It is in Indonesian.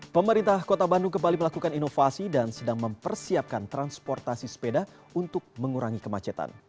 pemerintah kota bandung kembali melakukan inovasi dan sedang mempersiapkan transportasi sepeda untuk mengurangi kemacetan